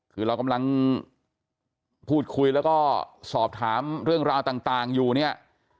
คือเรากำลังพูดคุยแล้วก็สอบถามเรื่องราวต่างอยู่เนี่ย